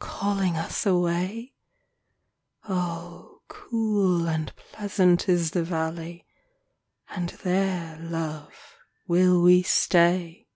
Calling us away ? O cool and pleasant is the valley And there, love, will we stay.